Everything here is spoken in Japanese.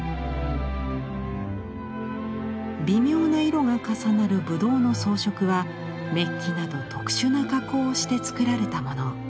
微妙な色が重なるぶどうの装飾はメッキなど特殊な加工をして作られたもの。